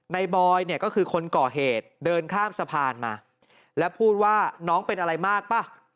บอยเนี่ยก็คือคนก่อเหตุเดินข้ามสะพานมาแล้วพูดว่าน้องเป็นอะไรมากป่ะ